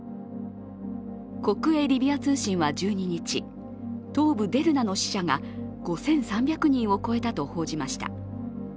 国営リビア通信は１２日、東部デルナの死者が５３００人を超えたと報じました。